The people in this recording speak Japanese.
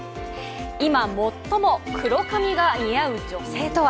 今、最も黒髪が似合う女性とは？